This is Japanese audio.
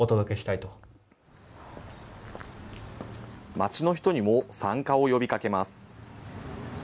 町の人にも参加を呼びかけます。